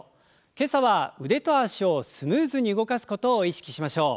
今朝は腕と脚をスムーズに動かすことを意識しましょう。